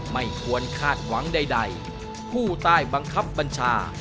ไม่ควรคาดหวังใดผู้ใต้บังคับบัญชา